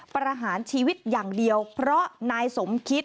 ประหารชีวิตอย่างเดียวเพราะนายสมคิด